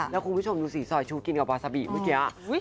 แล้วคุณผู้ชมดูสิซอยชูกินกับบาซาบิเมื่อกี้